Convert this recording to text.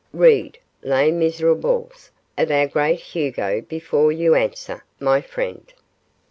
Read "Les Miserables" of our great Hugo before you answer, my friend.